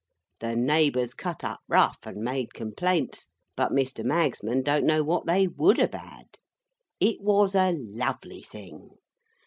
The neighbours cut up rough, and made complaints; but Mr. Magsman don't know what they would have had. It was a lovely thing.